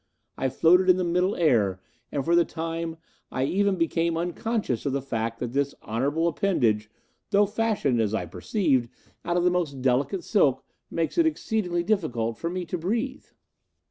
I floated in the Middle Air, and for the time I even became unconscious of the fact that this honourable appendage, though fashioned, as I perceive, out of the most delicate silk, makes it exceedingly difficult for me to breathe."